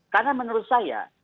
karena menurut saya